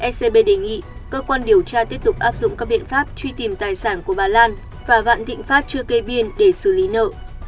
scb đề nghị cơ quan điều tra tiếp tục áp dụng các biện pháp truy tìm tài sản của bà lan và vạn thịnh pháp chưa kê biên để xử lý nợ